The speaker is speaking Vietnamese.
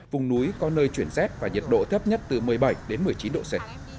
vùng núi có nơi chuyển rét và nhiệt độ thấp nhất từ một mươi bảy đến một mươi chín độ c